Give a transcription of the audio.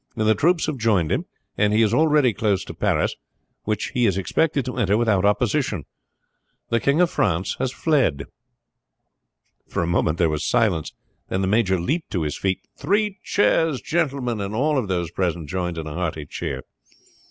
The troops have joined him, and he is already close to Paris, which he is expected to enter without opposition. The King of France has fled." For a moment there was silence, then the major leaped to his feet. "Three cheers, gentlemen!" and all of those present joined in a hearty cheer.